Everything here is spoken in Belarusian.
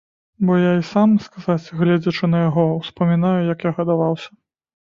Бо я і сам, сказаць, гледзячы на яго, успамінаю, як я гадаваўся.